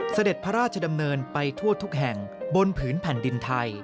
เสด็จพระราชดำเนินไปทั่วทุกแห่งบนผืนแผ่นดินไทย